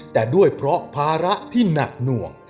แต่ด้วยเพราะภาระที่หนักหน่วง